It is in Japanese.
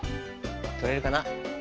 とれるかな？